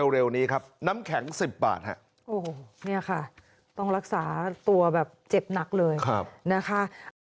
เร็วนี้ครับน้ำแข็ง๑๐บาทฮะโอ้โหเนี่ยค่ะต้องรักษาตัวแบบเจ็บหนักเลยนะคะ